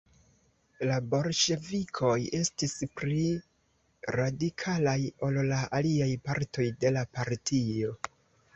La bolŝevikoj estis pli radikalaj ol la aliaj partoj de la partio.